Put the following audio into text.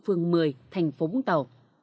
phường vũng tàu